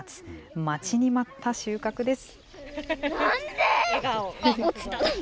待ちに待った収穫です。